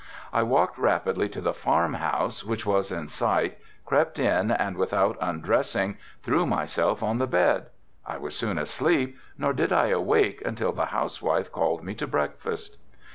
I walked rapidly to the farmhouse, which was in sight, crept in and without undressing threw myself on the bed. I was soon asleep nor did I awake until the housewife called me to breakfast.